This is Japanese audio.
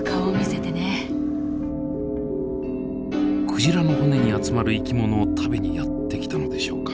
クジラの骨に集まる生き物を食べにやって来たのでしょうか。